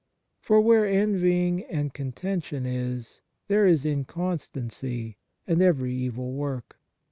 For where envying and contention is, there is inconstancy, and evv ry evil work.